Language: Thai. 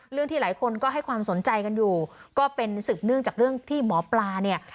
ที่หลายคนก็ให้ความสนใจกันอยู่ก็เป็นสืบเนื่องจากเรื่องที่หมอปลาเนี่ย